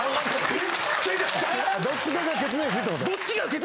どっちかがケツメイシってこと？